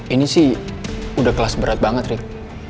ini sih udah kelas berat banget deh